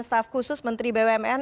staff khusus menteri bumn